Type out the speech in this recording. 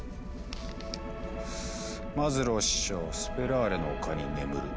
「マズロー師匠スペラーレの丘に眠る」。